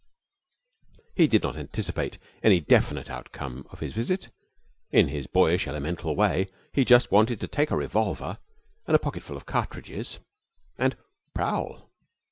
He did not anticipate any definite outcome of his visit. In his boyish, elemental way he just wanted to take a revolver and a pocketful of cartridges, and prowl.